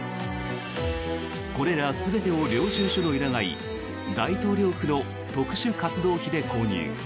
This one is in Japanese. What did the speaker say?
これら全てを領収書のいらない大統領府の特殊活動費で購入。